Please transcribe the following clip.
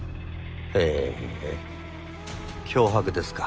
へぇ脅迫ですか？